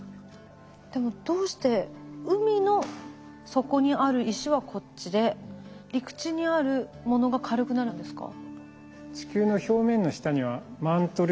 でもどうして海の底にある石はこっちで陸地にあるものが軽くなるんですか？